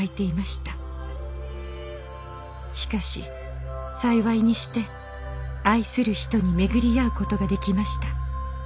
しかし幸いにして愛する人に巡り会う事ができました。